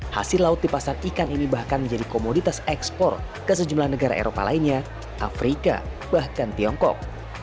hasil laut di pasar ikan ini bahkan menjadi komoditas ekspor ke sejumlah negara eropa lainnya afrika bahkan tiongkok